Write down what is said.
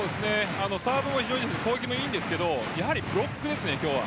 サーブも攻撃もいいんですがやはりブロックですね、今日は。